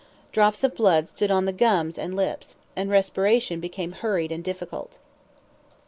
Drops of blood stood on the gums and lips, and respiration became hurried and difficult.